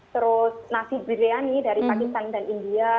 terus nasi briani dari pakistan dan india